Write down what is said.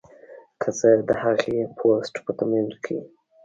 کۀ زۀ د هغې پوسټ پۀ کمنټ کښې